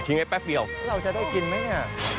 ทิ้งให้แป๊บเดียวเราจะได้กินไหม